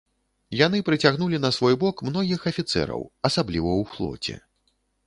Яны прыцягнулі на свой бок многіх афіцэраў, асабліва ў флоце.